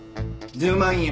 １０万円。